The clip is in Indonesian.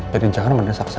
jadi jangan mendesak saya